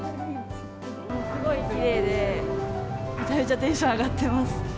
すごいきれいで、めちゃめちゃテンション上がってます。